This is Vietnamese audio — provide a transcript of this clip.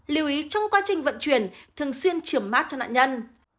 liêu ý trong quá trình vận chuyển thường xuyên chiểm mát cho nạn nhân